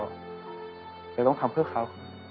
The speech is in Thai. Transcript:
เราต้องทำเพื่อเขา